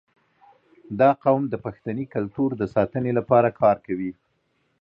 • دا قوم د پښتني کلتور د ساتنې لپاره کار کوي.